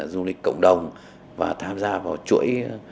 du lịch cộng đồng và tham gia vào chuỗi